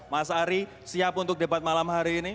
mas ari siap untuk debat malam hari ini